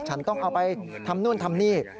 ฉันต้องเอาไปทำนู่นทำนี่